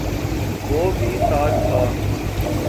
وہ بھی ساتھ تھا